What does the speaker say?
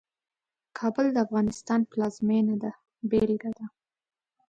کابل د افغانستان پلازمېنه ده بېلګه ده.